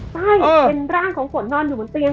ใช่เป็นร่างของฝนนอนอยู่บนเตียง